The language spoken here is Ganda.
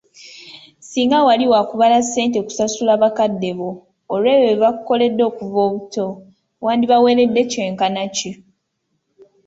Singa wali wakubala ssente kusasula bakadde bo, olwebyo bye bakukoledde okuva obuto, wandibaweeredde ky'enkana ki ?